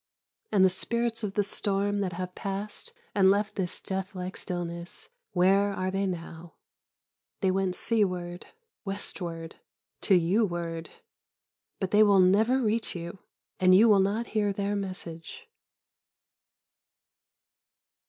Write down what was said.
And the spirits of the storm that have passed and left this death like stillness, where are they now? They went seaward, westward, to you ward, but they will never reach you, and you will not hear their message.